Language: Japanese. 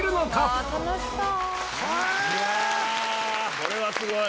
これはすごい！